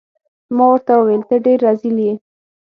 ما ورته وویل: ته ډیر رزیل يې.